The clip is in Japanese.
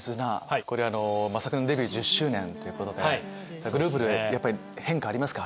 これあの昨年デビュー１０周年ということでグループでやっぱり変化ありますか？